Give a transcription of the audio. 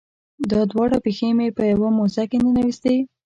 ما دواړه پښې په یوه موزه کې ننویستي.